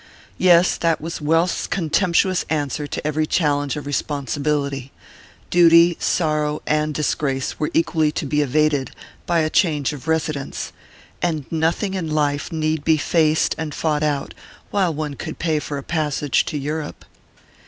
Yes that was wealth's contemptuous answer to every challenge of responsibility: duty, sorrow and disgrace were equally to be evaded by a change of residence, and nothing in life need be faced and fought out while one could pay for a passage to Europe!